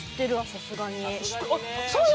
さすがにね。